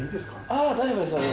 ああ大丈夫ですよ。